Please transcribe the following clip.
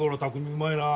うまいな。